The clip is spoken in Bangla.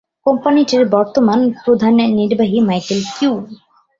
কোম্পানিটির বর্তমান প্রধান নির্বাহী মাইকেল কিউ।